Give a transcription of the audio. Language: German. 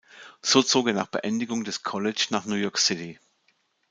So zog er nach Beendigung des College nach New York City.